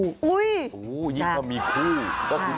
สวัสดีค่ะ